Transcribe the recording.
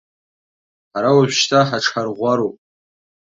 Ҳара уажәшьҭа ҳаҽҳарӷәӷәароуп.